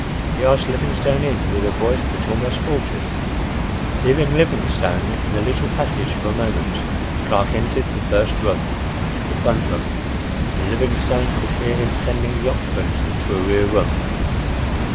He asked Livingstone in with a voice that almost faltered. Leaving Livingstone in the little passage for a moment Clark entered the first room—the front room—and Livingstone could hear him sending the occupants into a rear room.